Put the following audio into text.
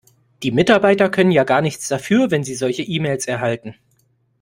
Die Mitarbeiter können ja gar nichts dafür, wenn sie solche E-Mails erhalten.